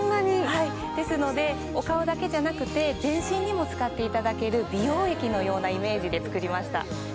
はいですのでお顔だけじゃなくて全身にも使っていただける美容液のようなイメージで作りました